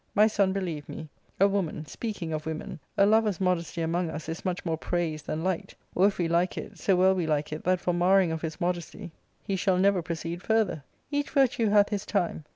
My son, believe me, a woman, speaking of women, a lover's modesty among us is much more praised than liked ; or, if we like it, so well we like it that for marring of his modesty he shaU y 2 324 ARCADIA.— Book IIL never proceed further. Each virtue hath his time.